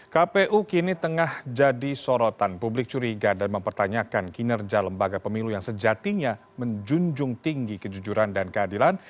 kpu kini tengah jadi sorotan publik curiga dan mempertanyakan kinerja lembaga pemilu yang sejatinya menjunjung tinggi kejujuran dan keadilan